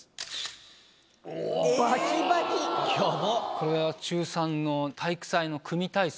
これは中３の体育祭の組み体操でしたね。